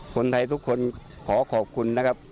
คนไทยทุกคนขอขอบคุณนะครับ